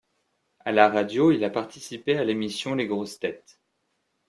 À la radio, il a participé à l'émission Les Grosses Têtes.